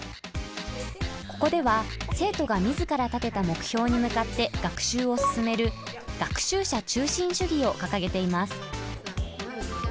ここでは生徒が自ら立てた目標に向かって学習を進める「学習者中心主義」を掲げています。